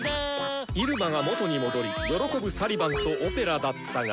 入間が元に戻り喜ぶサリバンとオペラだったが。